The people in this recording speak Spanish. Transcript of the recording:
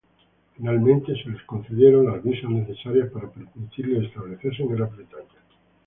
Finalmente se les concedieron las visas necesarias para permitirles establecerse en Gran Bretaña.